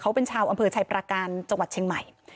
เขาเป็นชาวอำเภอชัยประการจังหวัดเชียงใหม่